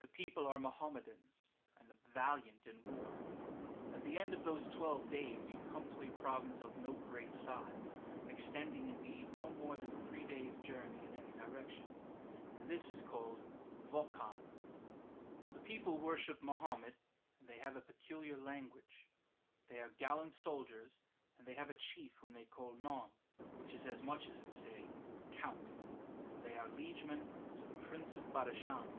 The people are Mahommetans, and valiant in war. At the end of those twelve days you come to a province of no great size, extending indeed no more 1 Chap. XXXII. THE GREAT RIVER OF BADASHAN I7I than three days' journey in any direction, and this is called VoKHAN. The people worship Mahommet, and they have a peculiar language. They are gallant soldiers, and they have a chief whom they call None, which is as much as to say Count, and they are liegemen to the Prince of Badashan.